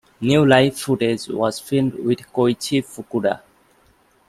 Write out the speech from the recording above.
New live footage was filmed with Koichi Fukuda.